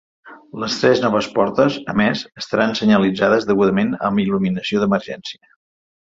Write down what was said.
Les tres noves portes, a més, estaran senyalitzades degudament amb il·luminació d’emergència.